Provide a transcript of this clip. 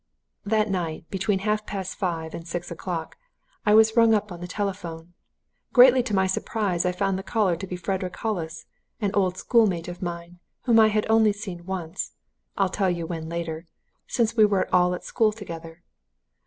"That night, between half past five and six o'clock, I was rung up on the telephone. Greatly to my surprise I found the caller to be Frederick Hollis, an old schoolmate of mine, whom I had only seen once I'll tell you when later since we were at school together.